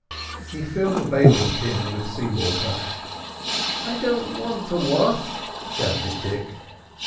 He filled the bailing tin with sea water. "I don't want to wash!" shouted Dick.